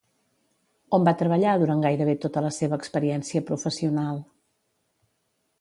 On va treballar durant gairebé tota la seva experiència professional?